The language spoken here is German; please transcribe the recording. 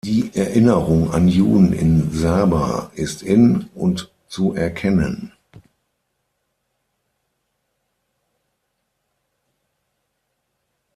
Die Erinnerung an Juden in Saba ist in und zu erkennen.